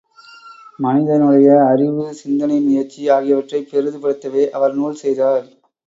மனிதனுடைய அறிவு சிந்தனை முயற்சி ஆகியவற்றைப் பெரிதுபடுத்தவே அவர் நூல் செய்தார்.